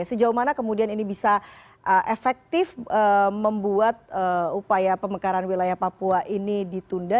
sejauh mana kemudian ini bisa efektif membuat upaya pemekaran wilayah papua ini ditunda